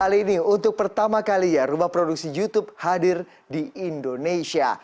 kali ini untuk pertama kali ya rumah produksi youtube hadir di indonesia